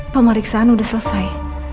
pemeriksaan udah selesai